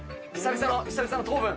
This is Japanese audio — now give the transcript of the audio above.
久々の糖分。